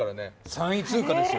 ３位通過ですよ